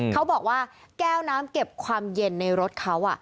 เขาบอกว่าแก้วน้ำเก็บความเย็นในรถเขา